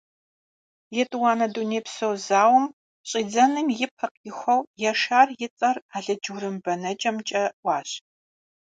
ЕтӀуанэ дунейпсо зауэм щӀидзэным и пэ къихуэу Яшар и цӀэр алыдж-урым бэнэкӀэмкӀэ Ӏуащ.